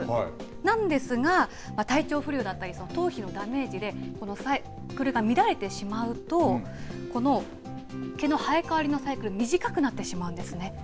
なんですが、体調不良だったり、頭皮のダメージで、このサイクルが乱れてしまうと、この毛の生え変わりのサイクル、短くなってしまうんですね。